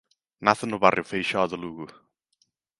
Nace no barrio Feixoo de Lugo.